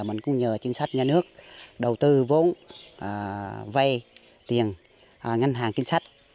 mình cũng nhờ chính sách nhà nước đầu tư vốn vay tiền ngân hàng chính sách